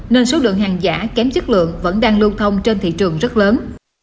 nên số lượng hàng giả kém chất lượng vẫn đang lưu thông trên thị trường rất lớn